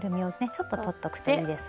ちょっととっとくといいです。